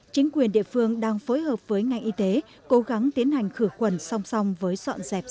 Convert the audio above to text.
chính quyền địa phương đang phối hợp với ngành y tế cố gắng tiến hành khử khuẩn song song với dọn dẹp